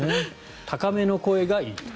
高めの声がいいという。